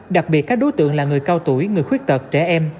đặc biệt các đối tượng là người cao tuổi người khuyết tật trẻ em